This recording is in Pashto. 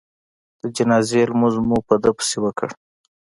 د جنازې لمونځ مو په ده پسې وکړ.